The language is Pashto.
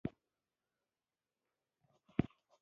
کوچيان او ښاري استوگن دواړه ټولنې پکې شاملې وې.